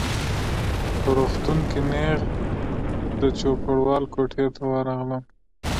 په روغتون کي نیغ د چوپړوال کوټې ته ورغلم.